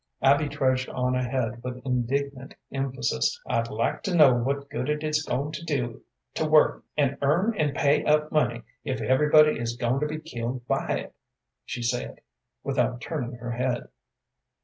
Abby trudged on ahead with indignant emphasis. "I'd like to know what good it is going to do to work and earn and pay up money if everybody is going to be killed by it?" she said, without turning her head.